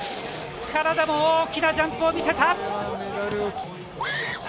カナダも大きなジャンプを見せた。